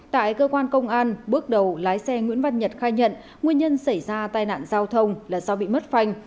tại cơ quan công an bước đầu lái xe nguyễn văn nhật khai nhận nguyên nhân xảy ra tai nạn giao thông là do bị mất phanh